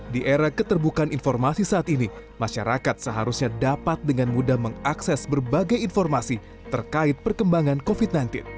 di era keterbukaan informasi saat ini masyarakat seharusnya dapat dengan mudah mengakses berbagai informasi terkait perkembangan covid sembilan belas